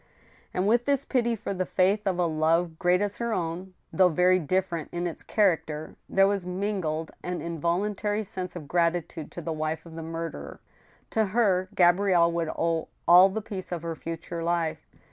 And with this pity for the faith of a love great as her own, though very different in its character, there was mingled an involun tary sense of gratitude to the wife of the murderer. To her Gabrielle would owe all the peace of her future life.